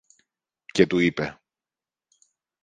και του είπε